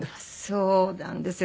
そうなんですよ。